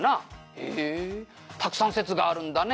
「へえたくさん説があるんだね」